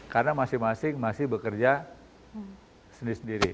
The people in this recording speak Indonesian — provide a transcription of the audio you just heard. karena masing masing masih bekerja sendiri sendiri